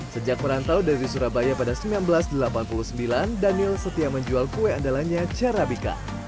sejak merantau dari surabaya pada seribu sembilan ratus delapan puluh sembilan daniel setia menjual kue andalanya carabica